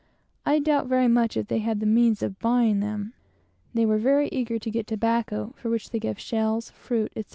I doubt very much if they had the means of buying them. They were very eager to get tobacco, for which they gave shells, fruits, etc.